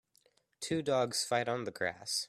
Two dogs fight on the grass.